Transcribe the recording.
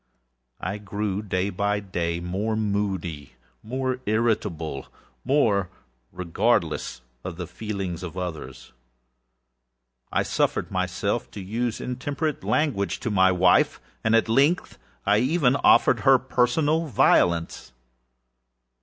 I grew, day by day, more moody, more irritable, more regardless of the feelings of others. I suffered myself to use intemperate language to my wife. At length, I even offered her personal violence.